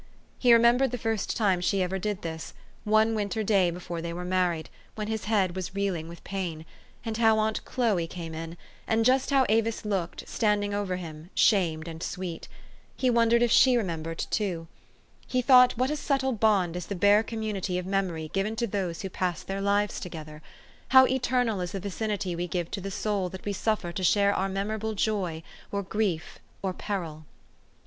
He remembered the first time she ever did this, one winter day before they were married, THE STORY OF AVIS. 415 when his head was reeling with pain ; and how aunt Chloe came in, and just how Avis looked, standing over him, shamed and sweet. He wondered if she remembered too. He thought what a subtle bond is the bare community of memory given to those who pass their lives together ; how eternal is the vicinity we give to the soul that we suffer to share our memo rable joy or grief or peril.